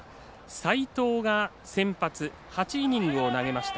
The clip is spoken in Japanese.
齋藤が先発８イニングを投げました。